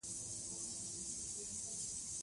ښه خواوې سړوئ.